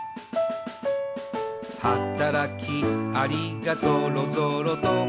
「はたらきアリがぞろぞろと」